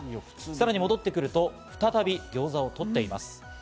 さらに戻ってくると、再びギョーザをとっています。